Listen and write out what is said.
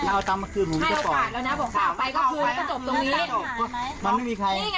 ให้โอกาสนะว่าถ้าเอาไปก็จบตรงนี้มันไม่มีใครนี่ไง